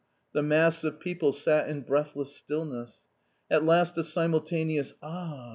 The mass of people sat in breath less stillness. At last a simultaneous "Ah